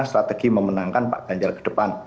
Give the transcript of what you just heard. strategi memenangkan pak ganjar kedepan